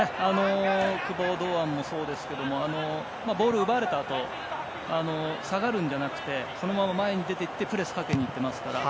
久保、堂安もそうですけどボール奪われたあと下がるんじゃなくてそのまま前に出ていってプレスをかけにいっていますから。